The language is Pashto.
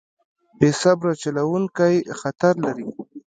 بې صبره چلوونکی خطر لري.